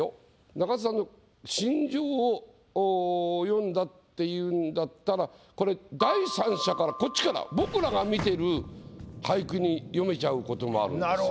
中田さんの心情を詠んだっていうんだったらこれ第三者からこっちから僕らが見てる俳句に読めちゃうこともあるんですよ。